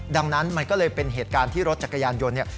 ดังนั้นมันก็เลยเป็นเหตุการณ์ที่รถจักรยานยนต์เนี่ย